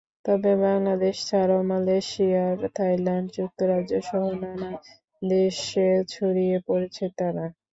তবে বাংলাদেশ ছাড়াও Malaysia, Thailand, যুক্তরাজ্যসহ নানা দেশে ছড়িয়ে পড়ছে তারা।